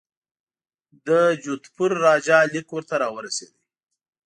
د جودپور راجا لیک ورته را ورسېد.